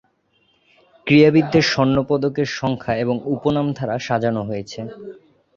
ক্রীড়াবিদের স্বর্ণ পদকের সংখ্যা এবং উপনাম দ্বারা সাজানো হয়েছে।